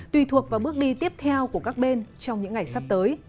tùy thuộc vào bước đi tiếp theo của các bên trong những ngày sau